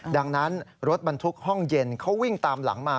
ดังนั้นรถบรรทุกห้องเย็นเขาวิ่งตามหลังมา